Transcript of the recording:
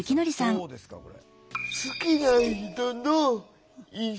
どうですかこれ。